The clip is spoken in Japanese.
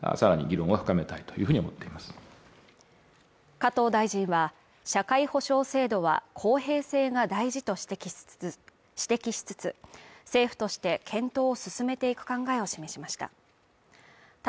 加藤大臣は社会保障制度は公平性が大事と指摘しつつ政府として検討を進めていく考えを示しました